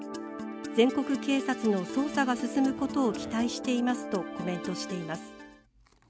全国警察の捜査が進むことを期待していますとコメントしています。